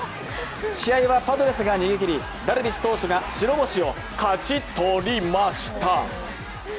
試合はパドレスが逃げ切り、ダルビッシュ投手が白星を勝ちトリました。